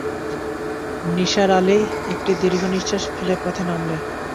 নিসার আলি একটি দীর্ঘনিঃশ্বাস ফেলে পথে নামলেন।